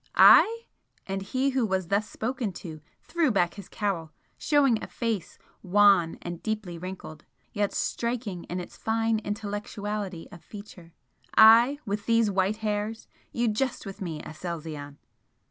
"I!" and he who was thus spoken to threw back his cowl, showing a face wan and deeply wrinkled, yet striking in its fine intellectuality of feature "I! with these white hairs! You jest with me, Aselzion!"